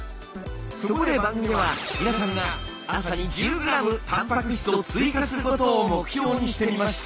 そこで番組では皆さんが朝に１０ｇたんぱく質を追加することを目標にしてみました。